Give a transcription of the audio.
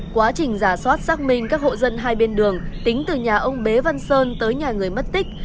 quá trình giả soát xác minh các hộ dân hai bên đường tính từ nhà ông bế văn sơn tới nhà người mất tích